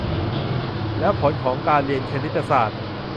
แล้วผลของการเรียนคณิตศาสตร์